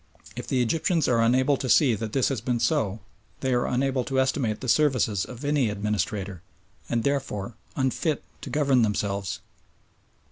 If the Egyptians are unable to see that this has been so, they are unable to estimate the services of any administrator, and therefore unfit to govern themselves.